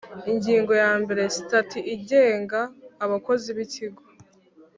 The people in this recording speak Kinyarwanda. Ingingo ya mbere Sitati igenga abakozi b ikigo